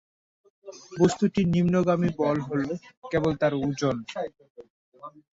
বস্তুটির নিম্নগামী বল হ'ল কেবল তার ওজন।